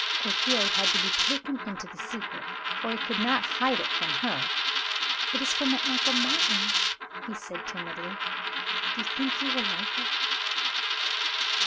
Clotilde had to be taken into the secret, for he could not hide it from her. "It is for my Uncle Martin," he said, timidly. "Do you think he will like it?"